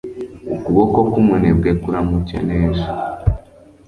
ukuboko k'umunebwe kuramukenesha